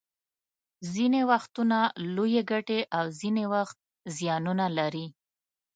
ځینې وختونه لویې ګټې او ځینې وخت زیانونه لري